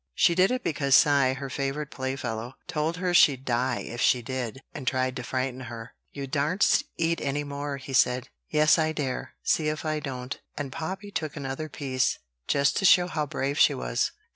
She did it because Cy, her favorite playfellow, told her she'd die if she did, and tried to frighten her. "You darsn't eat any more," he said. "Yes, I dare. See if I don't." And Poppy took another piece, just to show how brave she was.